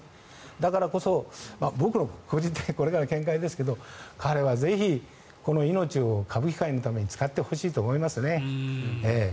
だからこそ、僕の見解ですが彼はぜひ、この命を歌舞伎界のために使ってほしいと思いますね。